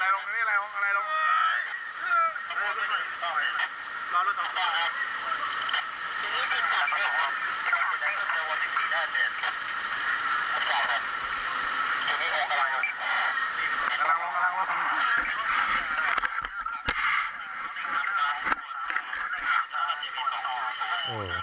อะไรลงอะไรลงอะไรลง